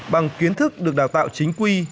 bằng kiến thức được đào tạo chính quy